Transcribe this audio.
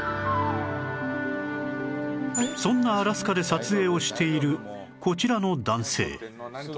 そんなアラスカで撮影をしているこちらの男性